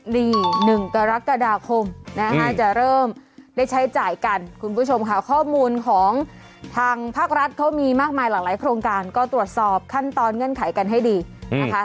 นี่๑กรกฎาคมนะฮะจะเริ่มได้ใช้จ่ายกันคุณผู้ชมค่ะข้อมูลของทางภาครัฐเขามีมากมายหลากหลายโครงการก็ตรวจสอบขั้นตอนเงื่อนไขกันให้ดีนะคะ